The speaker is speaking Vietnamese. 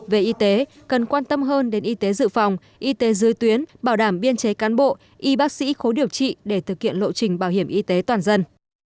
về y tế cần quan tâm hơn đến y tế dự phòng y tế dưới tuyến bảo đảm biên chế cán bộ y bác sĩ khối điều trị để thực hiện lộ trình bảo hiểm y tế toàn dân